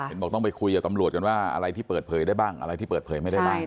บอกต้องไปคุยกับตำรวจกันว่าอะไรที่เปิดเผยได้บ้างอะไรที่เปิดเผยไม่ได้บ้าง